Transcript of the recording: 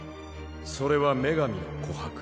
それは「女神の琥魄」。